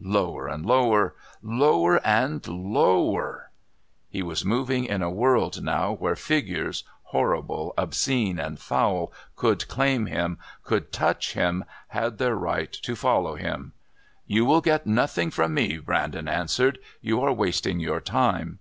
Lower and lower! Lower and lower! He was moving in a world now where figures, horrible, obscene and foul, could claim him, could touch him, had their right to follow him. "You will get nothing from me," Brandon answered. "You are wasting your time."